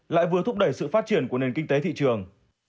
lại vừa thúc đẩy sự phát triển của nền kinh tế thị trường